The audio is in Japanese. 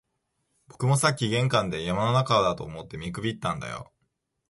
僕もさっき玄関で、山の中だと思って見くびったんだよ